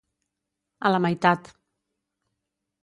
A la meitat.